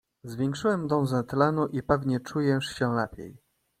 "Zwiększyłem dozę tlenu i pewnie czujesz się lepiej."